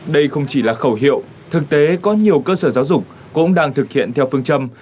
đây không chỉ là khẩu hiệu thực tế có nhiều cơ sở giáo dục cũng đang thực hiện theo phương châm